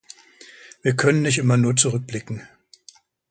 Wir können nicht immer nur zurückblicken.